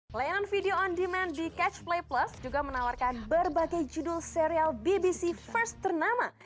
layanan video on demand di catch play plus juga menawarkan berbagai judul serial bbc first ternama